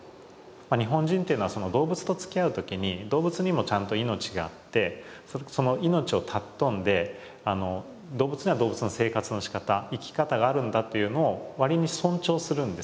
日本人というのは動物とつきあう時に動物にもちゃんと命があってその命を尊んで動物には動物の生活のしかた生き方があるんだというのを割に尊重するんですね。